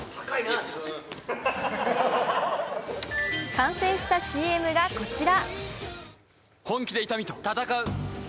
完成したＣＭがこちら。